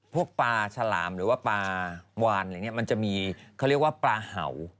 พวกปลาฉลามหรือว่าปลาวานอะไรอย่างนี้มันจะมีเขาเรียกว่าปลาเห่า